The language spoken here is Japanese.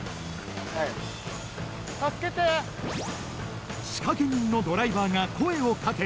はい助けて仕掛け人のドライバーが声を掛け